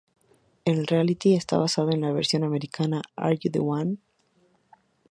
El reality está basado en la versión americana de "Are You the One?